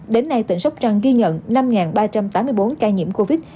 đến nay tỉnh sóc trăng ghi nhận năm ba trăm tám mươi bốn ca nhiễm covid